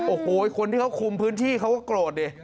โอ้โหคนที่เขาคุมพื้นที่เขาก็โกรธดิ